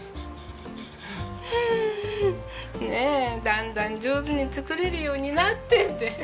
だんだん上手に作れるようになってって！